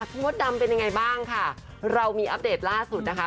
มดดำเป็นยังไงบ้างค่ะเรามีอัปเดตล่าสุดนะคะ